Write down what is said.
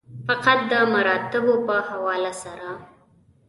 فقط د مراتبو په حواله سره.